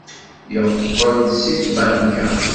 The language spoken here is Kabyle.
Yeqqel-d seg tbanka.